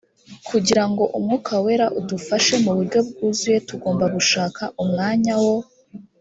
kugira ngo umwuka wera udufashe mu buryo bwuzuye tugomba gushaka umwanya wo